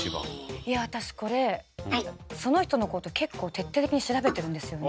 いや私これその人のこと結構徹底的に調べてるんですよね。